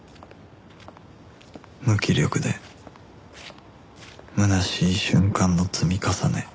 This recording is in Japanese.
無気力でむなしい瞬間の積み重ね